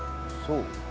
そう？